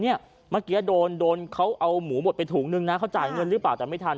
เมื่อกี้โดนเขาเอาหมูบดไปถุงนึงนะเขาจ่ายเงินหรือเปล่าแต่ไม่ทัน